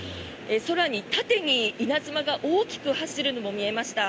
空に縦に稲妻が大きく走るのも見えました。